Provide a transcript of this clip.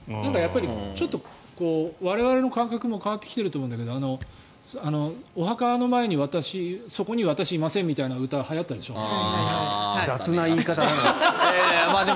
ちょっと我々の感覚も変わってきてると思うんだけどお墓の前にそこに私はいませんみたいな歌が雑な言い方だな。